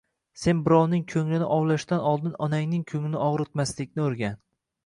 Sen birovning ko‘nglini ovlashdan oldin onangning ko‘nglini og‘ritmaslikni o‘rgan.